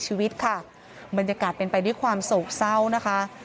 ชีวิตค่ะบรรยากาศเป็นไปด้วยความโศกเศร้านะคะ